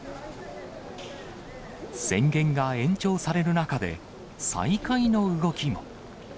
宣言が延長される中で、再開の動きも。